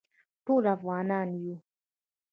ټول افغانان یو